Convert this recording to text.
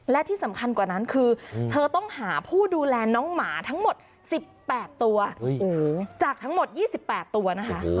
และที่สำคัญกว่านั้นคือเธอต้องหาผู้ดูแลน้องหมาทั้งหมด๑๘ตัวจากทั้งหมด๒๘ตัวนะคะ